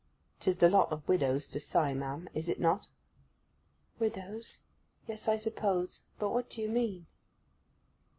'Tis the lot of widows to sigh, ma'am, is it not?' 'Widows—yes, I suppose; but what do you mean?